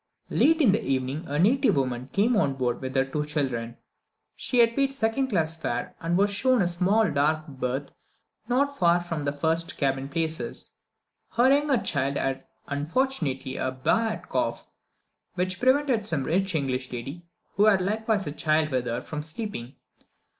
Late in the evening, a native woman came on board with her two children. She had paid second class fare, and was shown a small dark berth not far from the first cabin places. Her younger child had, unfortunately, a bad cough, which prevented some rich English lady, who had likewise a child with her, from sleeping.